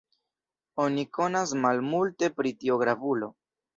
Oni konas malmulte pri tiu gravulo.